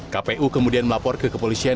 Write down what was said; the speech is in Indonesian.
kpu kemudian melapor ke kepolisian